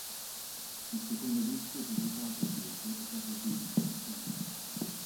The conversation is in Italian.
Il secondo disco pubblicato invece è stato "Be" di Common.